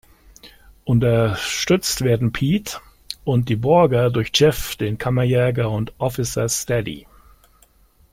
Unterstützt werden Pete und die Borger durch Jeff, den Kammerjäger und Officer Steady.